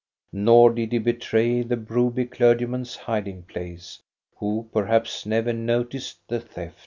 Nor did he betray the Broby clergyman's hiding place, who perhaps never noticed the theft.